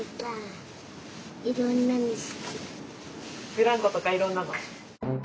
ブランコとかいろんなの？